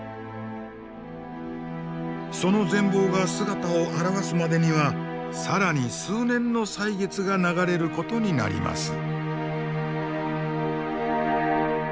その全貌が姿を現すまでには更に数年の歳月が流れることになります。